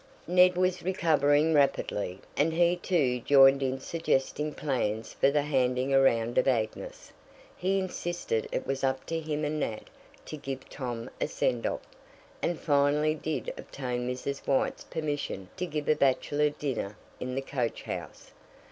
Ned was recovering rapidly, and he too joined in suggesting plans for the "handing around of Agnes." He insisted it was up to him and Nat to give Tom a sendoff, and finally did obtain Mrs. White's permission to give a bachelor dinner in the coach house.